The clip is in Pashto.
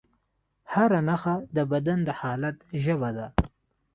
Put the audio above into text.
هره نښه د بدن د حالت ژبه ده.